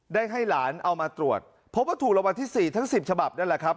ได้ให้หลานเอามาตรวจพบว่าถูกรางวัลที่๔ทั้ง๑๐ฉบับนั่นแหละครับ